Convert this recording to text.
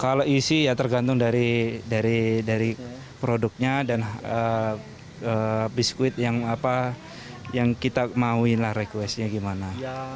kalau isi ya tergantung dari produknya dan biskuit yang kita mauin lah requestnya gimana